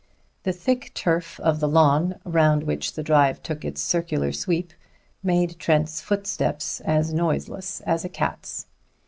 The thick turf of the lawn round which the drive took its circular sweep made Trent's footsteps as noiseless as a cat's.